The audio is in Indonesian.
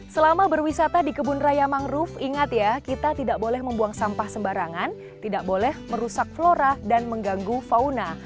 selama berwisata di kebun raya mangrove ingat ya kita tidak boleh membuang sampah sembarangan tidak boleh merusak flora dan mengganggu fauna